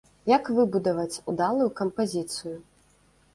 Як выбудаваць удалую кампазіцыю?